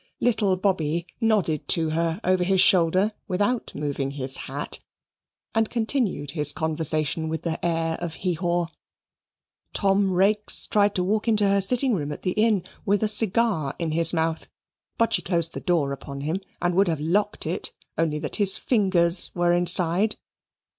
Little Bobby nodded to her over his shoulder, without moving his hat, and continued his conversation with the heir of Heehaw. Tom Raikes tried to walk into her sitting room at the inn with a cigar in his mouth, but she closed the door upon him, and would have locked it, only that his fingers were inside.